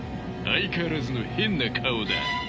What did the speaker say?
相変わらずの変な顔だ。